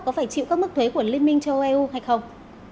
có phải chịu các mức thuế của liên minh châu âu eu hay không